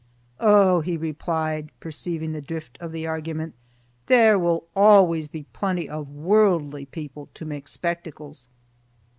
"Oh!" he replied, perceiving the drift of the argument, "there will always be plenty of worldly people to make spectacles."